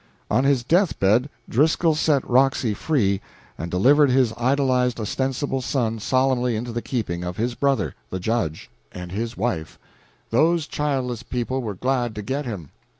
On his death bed Driscoll set Roxy free and delivered his idolized ostensible son solemnly into the keeping of his brother, the Judge and his wife. Those childless people were glad to get him.